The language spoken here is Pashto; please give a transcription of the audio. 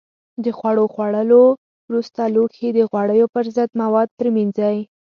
د خوړو خوړلو وروسته لوښي د غوړیو پر ضد موادو پرېمنځئ.